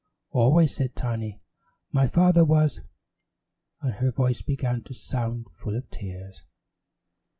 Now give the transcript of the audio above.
"Always," said Tiny, "my father was " and her voice began to sound full of tears.